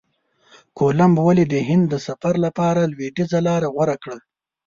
کولمب ولي د هند د سفر لپاره لویدیځه لاره غوره کړه؟